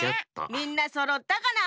みんなそろったかな？